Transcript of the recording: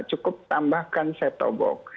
cukup tambahkan setobok